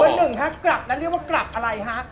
เบอร์๑ครับกลับแล้วเรียกว่ากลับอะไรฮะ